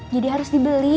jadi harus dibeli